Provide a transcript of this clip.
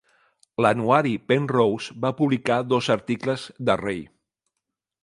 "L'anuari Penrose" va publicar dos articles de Ray.